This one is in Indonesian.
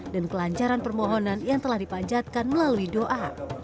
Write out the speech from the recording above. dan kelancaran permohonan yang telah dipanjatkan melalui doa